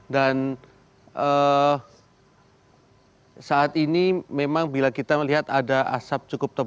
dan saat ini memang bila kita melihat